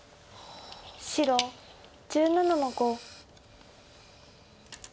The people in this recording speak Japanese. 白１７の五。